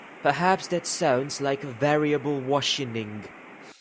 Perhaps that sounds like variable Washining.